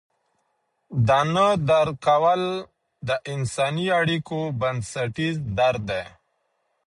دا نه درک کول د انساني اړیکو بنسټیز درد دی.